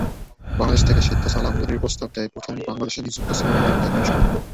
বাংলাদেশ থেকে সেদ্ধ চাল আমদানির প্রস্তাব দেয় প্রথম বাংলাদেশে নিযুক্ত শ্রীলঙ্কার হাইকমিশন।